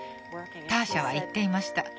ターシャは言っていました。